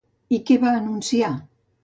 I què va anunciar?